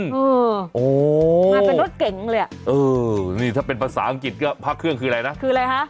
โอ้โหมาเป็นรถเก๋งเลยอ่ะเออนี่ถ้าเป็นภาษาอังกฤษก็พระเครื่องคืออะไรนะคืออะไรฮะ